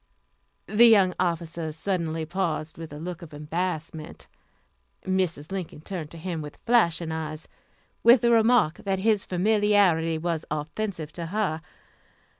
The young officer suddenly paused with a look of embarrassment. Mrs. Lincoln turned to him with flashing eyes, with the remark that his familiarity was offensive to her.